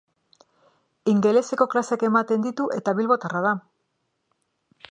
Ingeleseko klaseak ematen ditu eta bilbotarra da.